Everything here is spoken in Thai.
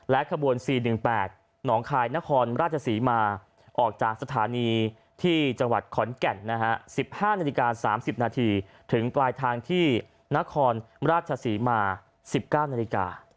ขบวน๔๑๘หนองคายนครราชศรีมาออกจากสถานีที่จังหวัดขอนแก่น๑๕นาฬิกา๓๐นาทีถึงปลายทางที่นครราชศรีมา๑๙นาฬิกา